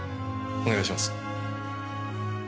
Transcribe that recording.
お願いします！